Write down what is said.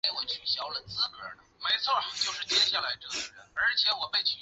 但奥斯本认为偷蛋龙这名称可能会让一般人误解它们的食性与特征。